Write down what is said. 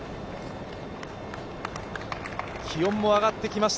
気温も上がってきました